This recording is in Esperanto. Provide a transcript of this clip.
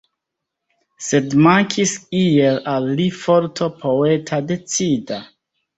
Sed mankis iel al li forto poeta decida.